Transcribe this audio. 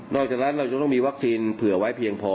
นอกจากนั้นเราจะต้องมีวัคซีนใหว้เพียงพอ